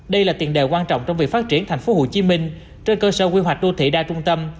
đây là tiền đề quan trọng trong việc phát triển tp hcm trên cơ sở quy hoạch đô thị đa trung tâm